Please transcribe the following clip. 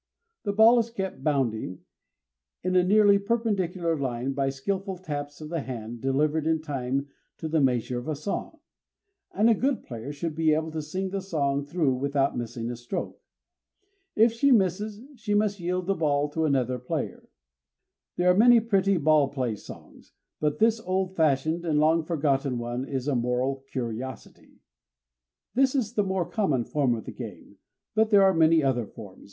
The ball is kept bounding in a nearly perpendicular line by skilful taps of the hand delivered in time to the measure of a song; and a good player should be able to sing the song through without missing a stroke. If she misses, she must yield the ball to another player. There are many pretty "ball play songs;" but this old fashioned and long forgotten one is a moral curiosity: This is the more common form of the game; but there are many other forms.